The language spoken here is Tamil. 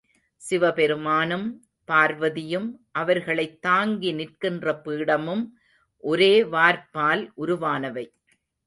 சிவபெருமானும், பார்வதியும் அவர்களைத் தாங்கி நிற்கின்ற பீடமும் ஒரே வார்ப்பால் உருவானவை.